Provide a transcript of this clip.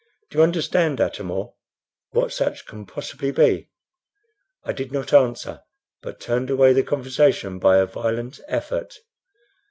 Do you understand, Atam or, what such can possibly be?" I did not answer, but turned away the conversation by a violent effort.